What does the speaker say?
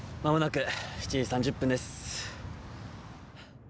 間もなく７時３０分です。